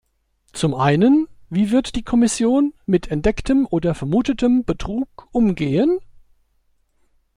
Zum einen, wie wird die Kommission mit entdecktem oder vermutetem Betrug umgehen?